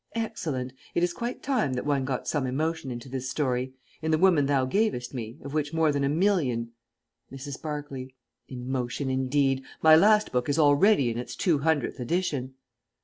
Excellent. It is quite time that one got some emotion into this story. In "The Woman Thou Gavest Me," of which more than a million _ _Mrs. Barclay. Emotion, indeed! My last book is already in its two hundredth edition.